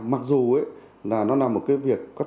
mặc dù nó là một việc